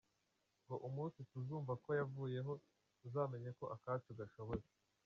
Ngo umunsi tuzumva ko yavuyeho, tuzamenye ko akacu kashobotse.